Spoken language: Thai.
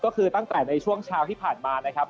ก็คือตั้งแต่ในช่วงเช้าที่ผ่านมานะครับ